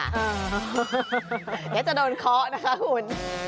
อย่างนี้จะโดนเคราะห์นะคะหุ่น